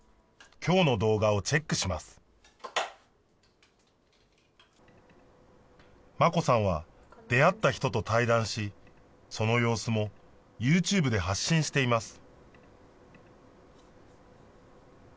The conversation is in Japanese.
今日の動画をチェックします真子さんは出会った人と対談しその様子もＹｏｕＴｕｂｅで発信しています